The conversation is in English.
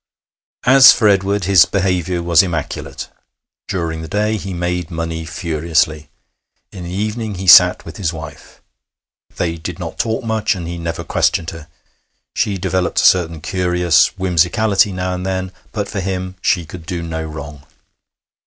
As for Edward, his behaviour was immaculate. During the day he made money furiously. In the evening he sat with his wife. They did not talk much, and he never questioned her. She developed a certain curious whimsicality now and then; but for him she could do no wrong.